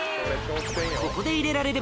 ここで入れられれ